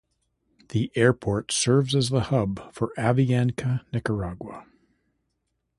The airport serves as the hub for Avianca Nicaragua.